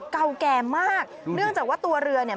เก่าแก่มากเนื่องจากว่าตัวเรือเนี่ย